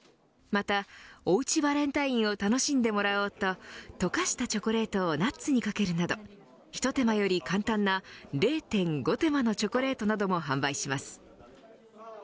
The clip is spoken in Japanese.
また、おうちバレンタインを楽しんでもらおうと溶かしたチョコレートをナッツにかけるなどひと手間より簡単な０．５手間のチョコレートなども販売します。